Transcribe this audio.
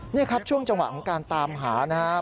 นี่ครับช่วงจังหวะของการตามหานะครับ